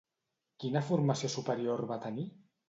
Quina formació superior va tenir?